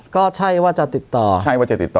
ก็ใช่ว่าจะติดต่อใช่ว่าจะติดต่อ